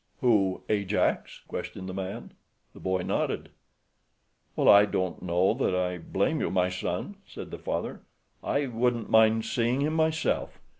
"Who, Ajax?" questioned the man. The boy nodded. "Well, I don't know that I blame you, my son," said the father, "I wouldn't mind seeing him myself.